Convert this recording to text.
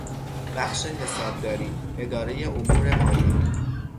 بخش حسابداری، ادارهی امور مالی